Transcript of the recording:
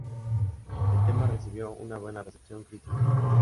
El tema recibió una buena recepción crítica.